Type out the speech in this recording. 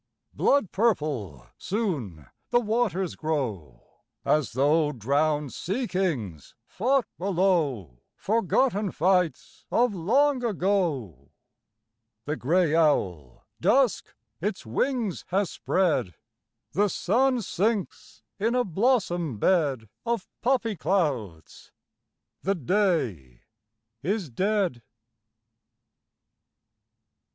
Blood purple soon the waters grow, As though drowned sea kings fought below Forgotten fights of long ago. The gray owl Dusk its wings has spread ; The sun sinks in a blossom bed Of poppy clouds ; the day is dead.